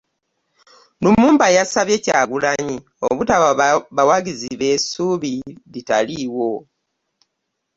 Lumumba yasabye Kyagulanyi obutawa bawagizi be ssuubi litaliiwo